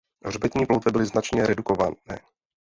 Hřbetní ploutve byly značně redukované.